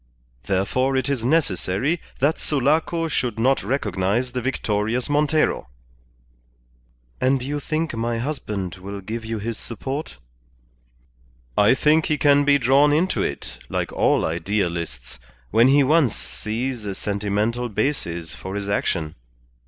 Therefore it is necessary that Sulaco should not recognize the victorious Montero." "And you think my husband will give you his support?" "I think he can be drawn into it, like all idealists, when he once sees a sentimental basis for his action.